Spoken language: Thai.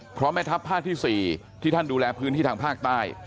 เพราะแม่ทัพภาคที่๔ที่ท่านดูแลพื้นที่ทางภาคใต้